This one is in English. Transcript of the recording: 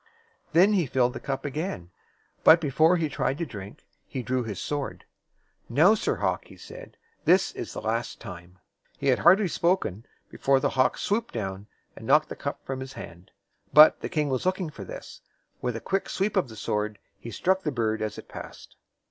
Then he filled the cup again. But before he tried to drink, he drew his sword. "Now, Sir Hawk," he said, "this is the last time." He had hardly spoken, before the hawk swooped down and knocked the cup from his hand. But the king was looking for this. With a quick sweep of the sword he struck the bird as it passed.